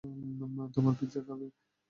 তোমরা পিজ্জা খাবে?